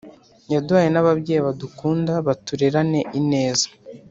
yaduhaye n'ababyeyi badukunda, baturerane ineza.